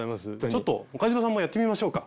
ちょっと岡嶋さんもやってみましょうか。